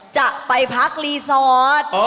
จะไปพักรีสอร์ท